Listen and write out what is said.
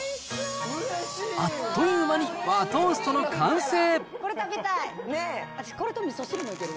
あっという間に和トーストの完成。